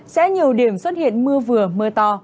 sẽ nhiều điểm xuất hiện mưa vừa mưa to